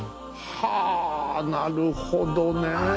はぁなるほどねえ。